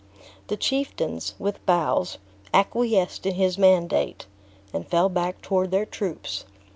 The chieftains, with bows, acquiesced in his mandate, and fell back toward their troops.